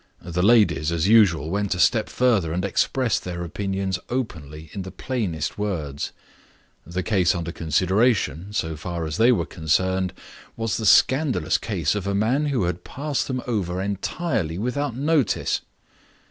The ladies, as usual, went a step further, and expressed their opinions openly in the plainest words. The case under consideration (so far as they were concerned) was the scandalous case of a man who had passed them over entirely without notice.